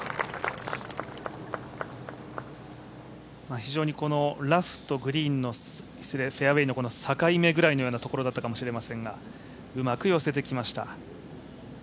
非常にラフとフェアウエーの境目ぐらいのところだったかもしれませんが、うまく寄せてきました。